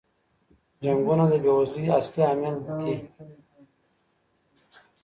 جنګونه د بې وزلۍ اصلی عامل دي.